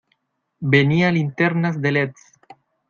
Venía linternas de leds.